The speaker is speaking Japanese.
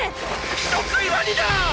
人喰いワニだッ！！